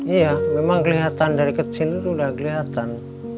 iya memang kelihatan dari kecil itu sudah kelihatan